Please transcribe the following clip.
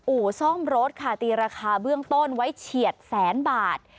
อู่ซ่อมรถค่ะตีราคาเบื้องต้นไว้เฉียดแสนบาท